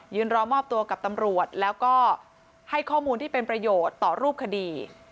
รอมอบตัวกับตำรวจแล้วก็ให้ข้อมูลที่เป็นประโยชน์ต่อรูปคดี